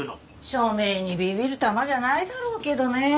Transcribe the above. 署名にビビるタマじゃないだろうけどね。